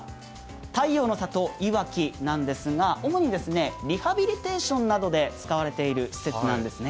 太陽の里いわきですが主にリハビリテーションなどで使われている施設なんですね。